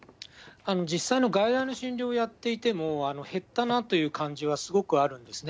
実際の外来の診療をやっていても、減ったなという感じはすごくあるんですね。